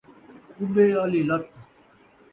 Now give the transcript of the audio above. کُٻے آلی لت